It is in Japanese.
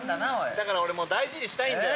だから俺大事にしたいんだよ。